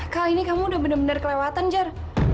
kali ini kamu udah bener bener kelewatan jar